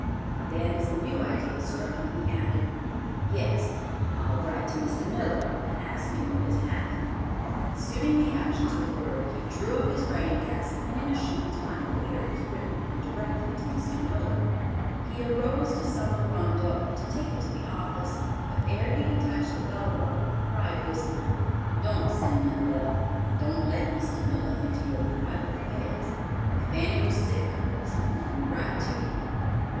Then as a new idea struck him, he added, "Yes, I'll write to Mr. Miller, and ask him what has happened." Suiting the action to the word, he drew up his writing desk, and in a short time a letter was written and directed to Mr. Miller. He arose to summon Rondeau to take it to the office; but ere he had touched the bell rope, pride whispered, "Don't send that letter; don't let Mr. Miller into your private affairs. If Fanny were sick, some one would write to you."